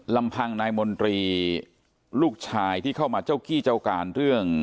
ลำพังนายมนตรีลูกชายที่เข้ามาเจ้ากี้เจ้าการเรื่อง